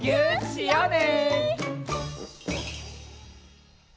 しようね！